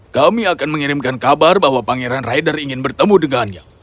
kami akan mengirimkan kabar bahwa pangeran raidar ingin bertemu dengannya